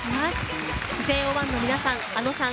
ＪＯ１の皆さん、ａｎｏさん